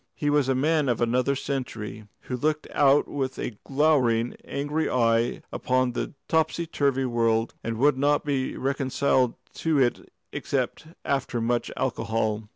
He was a man of another century, who looked out with a glowering, angry eye upon a topsy turvy world, and would not be reconciled to it except after much alcohol.